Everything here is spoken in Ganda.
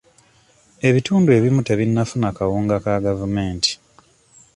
Ebitundu ebimu tebinnafuna kawunga ka gavumenti.